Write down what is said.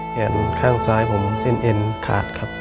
แขนข้างซ้ายผมเส้นเอ็นขาดครับ